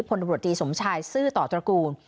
พลตำรวจดีสมชายซื่อต่อตระกูล